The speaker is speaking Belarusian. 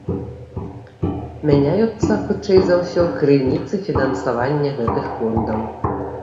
Мяняюцца, хутчэй за ўсё, крыніцы фінансавання гэтых фондаў.